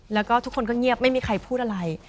แล้วก็ทุกคนก็เงียบไม่มีใครพูดอะไร